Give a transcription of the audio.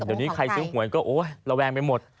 เดี๋ยวนี้ใครซื้อหวยก็โอ๊ยระแวงไปหมด